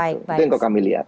itu yang kalau kami lihat